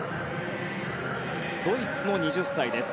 ドイツの２０歳です